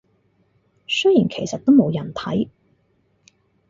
雖然其實都冇人睇